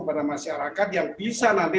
kepada masyarakat yang bisa nanti